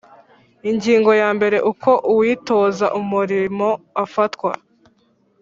Ingingo ya mbere Uko uwitoza umurimo afatwa